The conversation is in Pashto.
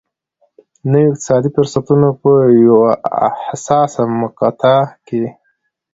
نویو اقتصادي فرصتونو په یوه حساسه مقطعه کې.